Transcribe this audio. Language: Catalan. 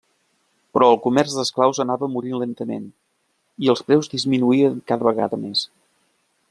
Però el comerç d'esclaus anava morint lentament, i els preus disminuïen cada vegada més.